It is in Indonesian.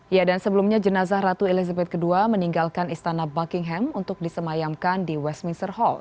ya dan sebelumnya jenazah ratu elizabeth ii meninggalkan istana buckingham untuk disemayamkan di westminster hall